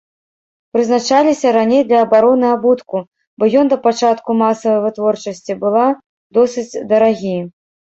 Прызначаліся раней для абароны абутку, бо ён да пачатку масавай вытворчасці была досыць дарагі.